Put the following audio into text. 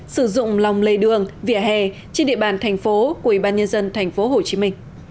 sử dụng lòng lề đường vỉa hè trên địa bàn thành phố của ủy ban nhân dân tp hcm